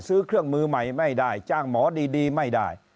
ซื้อเครื่องมือใหม่ไม่ได้จ้างหมอดีไม่ได้